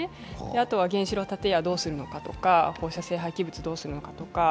あとは原子炉建屋どうするのかとか、放射性廃棄物をどうするとか。